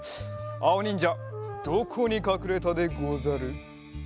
あおにんじゃどこにかくれたでござる？